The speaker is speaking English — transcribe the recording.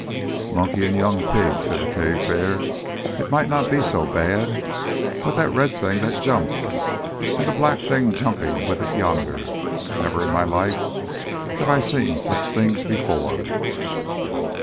"Monkey and young pig," said the cave bear. "It might not be so bad. But that red thing that jumps, and the black thing jumping with it yonder! Never in my life have I seen such things before!"